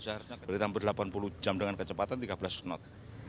seharusnya beritahun ber delapan puluh jam dengan kecepatan tiga belas knot